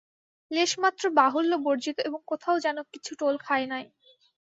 লেশমাত্র বাহুল্যবর্জিত এবং কোথাও যেন কিছু টোল খায় নাই।